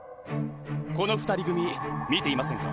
この２人組見ていませんか？